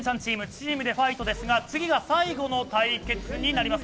チームＤＥファイトですが次が最後の対決になります。